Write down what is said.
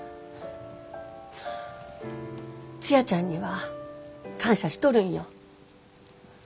ツヤちゃんには感謝しとるんよ。